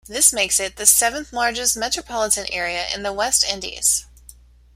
This makes it the seventh largest metropolitan area in the West Indies.